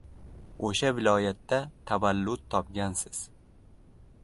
— o‘sha viloyatda tavallud topgansiz…